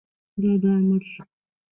دا به مړ شي.